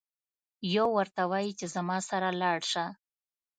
یو ورته وایي چې زما سره لاړشه.